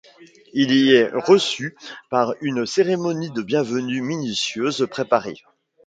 Il y est reçu par une cérémonie de bienvenue minutieusement préparée.